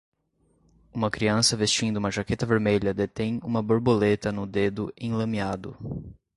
Uma criança vestindo uma jaqueta vermelha detém uma borboleta no dedo enlameado.